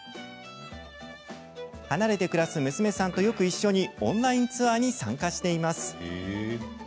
離れて暮らす娘さんとよく一緒にオンラインツアーに参加しています。